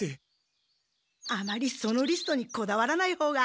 あまりそのリストにこだわらないほうが。